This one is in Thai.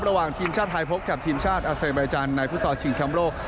ระหว่างทีมชาติไทยพบกับทีมชาติอเซอร์ไบจานในฟุตเซอร์ชิงชำโลก